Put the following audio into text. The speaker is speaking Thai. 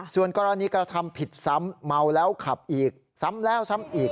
ส่วนกรณีกระทำผิดซ้ำเมาแล้วขับอีกซ้ำแล้วซ้ำอีก